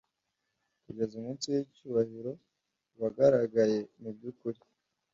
kugeza umunsi wicyubahiro wagaragaye mubyukuri